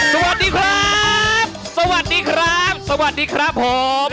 สวัสดีครับสวัสดีครับสวัสดีครับผม